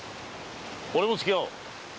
俺もつき合おう！